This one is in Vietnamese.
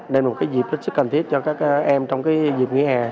nên là một dịp rất cần thiết cho các em trong dịp nghỉ hè